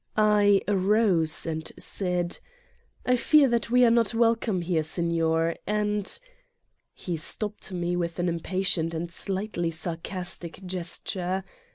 I arose and said: "I fear that we are not welcome here, Signor, and " He stopped Me with an impatient and slightly sarcastic gesture.